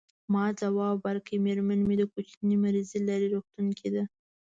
ما ځواب ورکړ: میرمن مې د کوچني مریضي لري، روغتون کې ده.